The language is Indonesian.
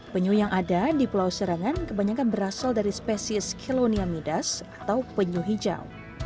penyu yang ada di pulau serangan kebanyakan berasal dari spesies kilonia midas atau penyu hijau